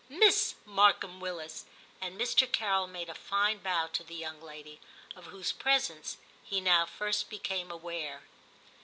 Miss Markham Willis *; and Mr. Carol made a fine bow to the young lady, of whose presence he now first became aware.